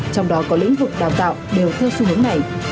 trong đó có lĩnh vực đào tạo đều theo xu hướng này